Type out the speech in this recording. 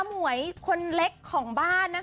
หมวยคนเล็กของบ้านนะคะ